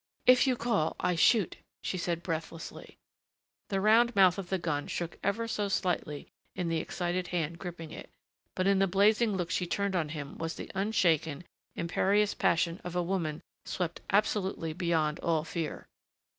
"If you call I shoot," she said breathlessly. The round mouth of the gun shook ever so slightly in the excited hand gripping it, but in the blazing look she turned on him was the unshaken, imperious passion of a woman swept absolutely beyond all fear.